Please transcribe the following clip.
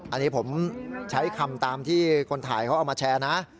อันนี้ผมใช้คำตามที่คนถ่ายเขาเอามาแชร์นะ